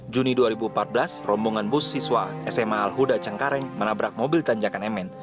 juni dua ribu empat belas rombongan bus siswa sma alhuda cengkareng menabrak mobil tanjakan mn